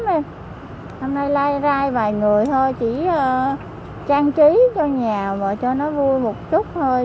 năm nay lai vai vài người thôi chỉ trang trí cho nhà và cho nó vui một chút thôi